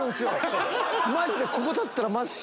マジでここ立ったら。